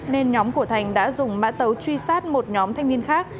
nên nhóm của thành đã dùng mã tấu truy sát một nhóm thanh niên khác